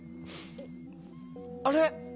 あれ？